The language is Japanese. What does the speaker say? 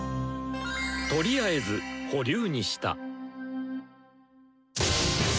とりあえず保留にした。